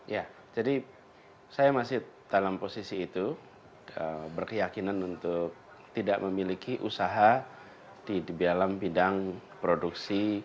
ya jadi saya masih dalam posisi itu berkeyakinan untuk tidak memiliki usaha di dalam bidang produksi